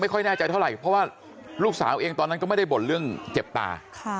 ค่อยแน่ใจเท่าไหร่เพราะว่าลูกสาวเองตอนนั้นก็ไม่ได้บ่นเรื่องเจ็บตา